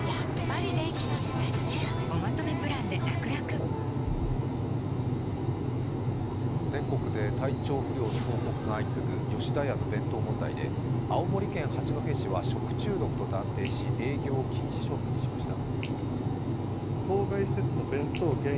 東芝全国で体調不良の報告が相次ぐ吉田屋の弁当問題で青森県八戸市は食中毒と断定し営業禁止処分にしました。